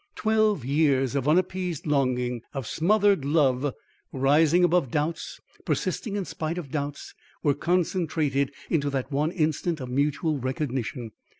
Twelve years of unappeased longing, of smothered love, rising above doubts, persisting in spite of doubts, were concentrated into that one instant of mutual recognition.